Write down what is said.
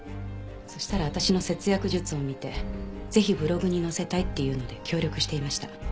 そしたら私の節約術を見てぜひブログに載せたいって言うので協力していました。